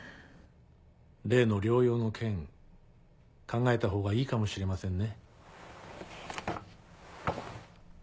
例の療養の件考えたほうがいいかもしれませんね。